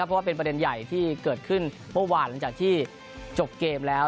เพราะว่าเป็นประเด็นใหญ่ที่เกิดขึ้นเมื่อวานหลังจากที่จบเกมแล้ว